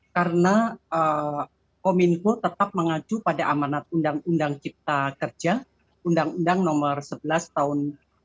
karena kominfo tetap mengacu pada amanat undang undang cipta kerja undang undang nomor sebelas tahun dua ribu dua puluh